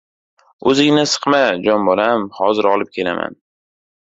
— O‘zingni siqma, jon bolam. Hozir olib kelaman.